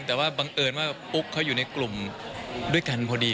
แต่ว่าบังเอิญว่าปุ๊กเขาอยู่ในกลุ่มด้วยกันพอดี